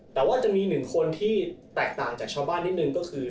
แต่ว่าจะมีหนึ่งคนที่แตกต่างจากชาวบ้านนิดนึงก็คือ